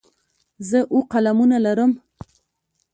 زه اووه قلمونه لرم.